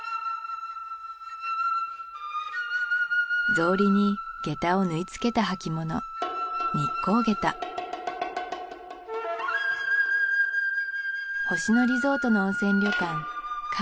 草履に下駄を縫い付けた履物星野リゾートの温泉旅館界